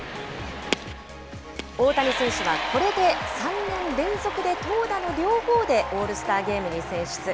大谷選手はこれで３年連続で投打の両方でオールスターゲームに選出。